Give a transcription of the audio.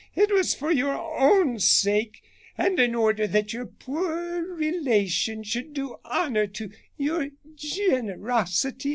It was for your own sake; and in order that your poor relation should do honor to your generosity.